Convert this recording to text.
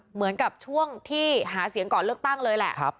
เหมือนกับช่วงที่หาเสียงก่อนเลือกตั้งเลยแหละ